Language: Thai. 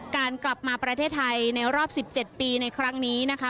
การกลับมาประเทศไทยในรอบ๑๗ปีในครั้งนี้นะคะ